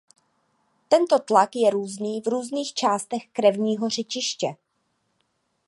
Tento tlak je různý v různých částech krevního řečiště.